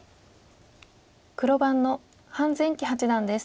黒番の潘善八段です。